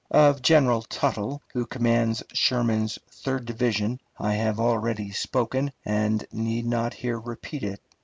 Of General Tuttle, who commands Sherman's third division, I have already spoken, and need not here repeat it.